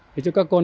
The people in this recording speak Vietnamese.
thì cho các con